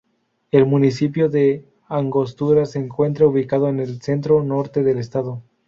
El municipio de Angostura se encuentra ubicado en el centro-norte del estado.